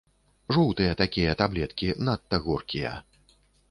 Жоўтыя такія таблеткі, надта горкія.